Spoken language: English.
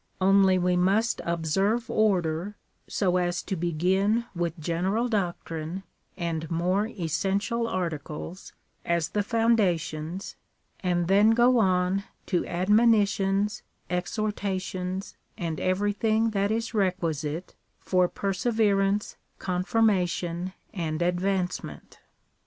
Only we must observe order, so as to begin with general doctrine, and more essential articles, as the foundations, and then go on to admonitions, exhortations, and everything that is requisite for perseverance, confirma tion, and advancement.